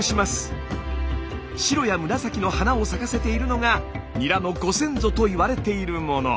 白や紫の花を咲かせているのがニラのご先祖と言われているもの。